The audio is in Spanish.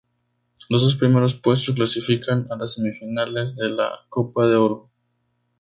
Los dos primeros puestos clasifican a las semifinales de la Copa de Oro.